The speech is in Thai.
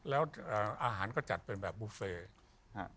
แล้วอาหารก็จัดเป็นแบบบุฟเฟ่ฮะ